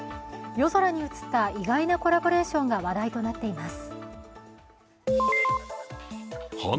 夜空に映った意外なコラボレーションが話題となっています。